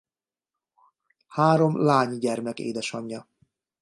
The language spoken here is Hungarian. Három lány gyermek édesanyja.